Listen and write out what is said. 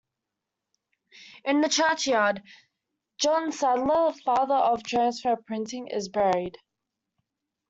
In the churchyard, John Saddler, father of Transfer Printing is buried.